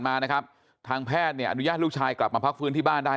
มานะครับทางแพทย์เนี่ยอนุญาตลูกชายกลับมาพักฟื้นที่บ้านได้